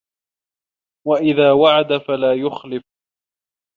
وَإِذَا وَعَدَ فَلَا يُخْلِفُ